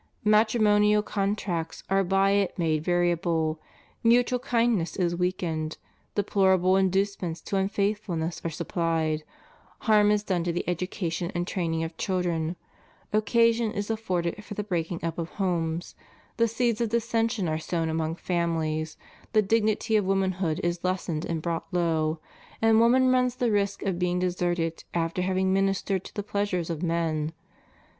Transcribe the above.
Matrimonial contracts are by it made variable; mutual kindness is weakened; deplorable inducements to unfaithfulness are supplied; harm is done to the education and training of children; occasion is afforded for the breaking up of homes; the seeds of dissension are sown among families; the dignity of womanhood is lessened and brought low, and women run the risk of being deserted after having ministered to the pleasures of men.